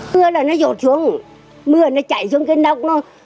mưa là nó dột xuống mưa nó chạy xuống cái nóc nó